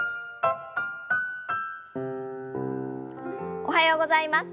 おはようございます。